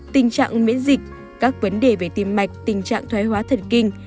tình trạng miễn dịch các vấn đề về tim mạch tình trạng thoái hóa thần kinh